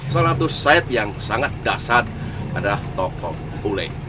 salah satu site yang sangat dasar adalah tokoh bule